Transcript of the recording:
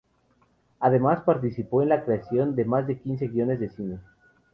Además, participó en la creación más de quince guiones de cine.